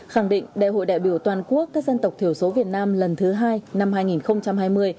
khẳng định đại hội đại biểu toàn quốc các dân tộc thiểu số việt nam lần thứ hai năm hai nghìn hai mươi